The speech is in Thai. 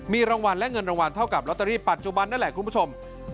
มีรางวัลและเงินรางวัลเท่ากับลอตเตอรี่ปัจจุบันนั่นแหละคุณผู้ชม